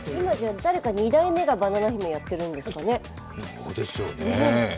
今、誰か２代目がバナナ姫をやってるんですかね。